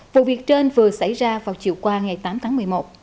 vụ việc trên vừa xảy ra vào chiều qua ngày tám tháng một mươi một